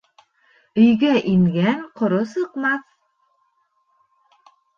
Өйгә ингән ҡоро сыҡмаҫ